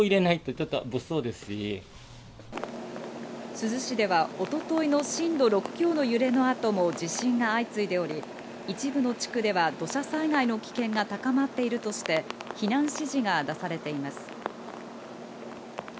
珠洲市では一昨日の震度６強の揺れの後も地震が相次いでおり、一部の地区では土砂災害の危険が高まっているとして、避難指示が出されています。